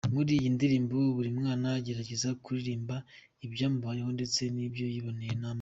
Muri iyi ndirimbo buri mwana agerageza kuririmba ibyamubayeho ndetse n’ibyo yiboneye n’amaso.